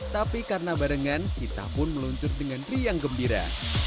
tapi karena barengan kita pun meluncur dengan riang gembira